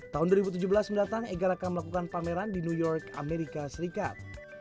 tahun dua ribu tujuh belas mendatang egar akan melakukan pameran di new york amerika serikat